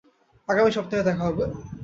আগামী সপ্তাহে দেখা হবে।